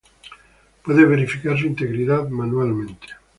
puedes verificar su integridad manualmente